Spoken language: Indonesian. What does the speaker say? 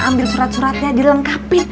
ambil surat suratnya dilengkapin